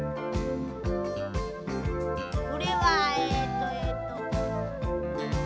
これはえっとえっと。